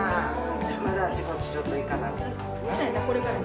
まだあっちこっちちょっと行かな。